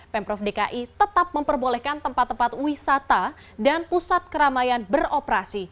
pemprov dki tetap memperbolehkan tempat tempat wisata dan pusat keramaian beroperasi